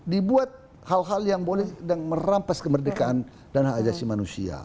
dibuat hal hal yang boleh merampas kemerdekaan dan hak ajasi manusia